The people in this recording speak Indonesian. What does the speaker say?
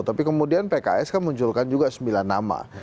tapi kemudian pks kan munculkan juga sembilan nama